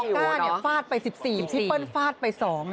ออก้าฟาดไป๑๔ชิ้นพิปเปิ้ลฟาดไป๒ชิ้น